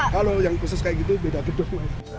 kalau yang khusus kayak gitu beda gedung